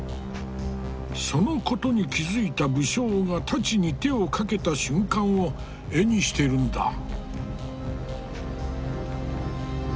そのことに気付いた武将が太刀に手をかけた瞬間を絵にしてるんだ。